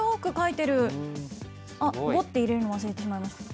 ５って入れるの忘れてしまいまし